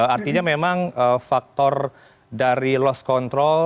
artinya memang faktor dari lost control